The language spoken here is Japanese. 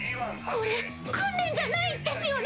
これ訓練じゃないですよね？